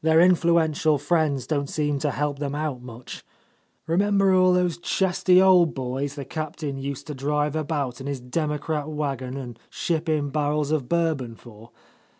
Their influential friends don't seem to help them out much. Remember all those chesty old boys the Captain used to drive about in his democrat wagon, and ship in barrels of Bourbon for